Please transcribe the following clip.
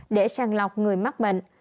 để sàng lọc người mắc bệnh